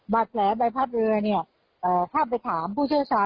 บาดแผลใบพัดเรือเข้าไปถามผู้เชี่ยวชาญ